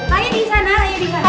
layar di sana layar dimana